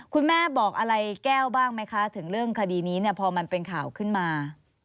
คุณแม่บอกอะไรแก้วบ้างไหมคะถึงเรื่องคดีนี้เนี่ยพอมันเป็นข่าวขึ้นมา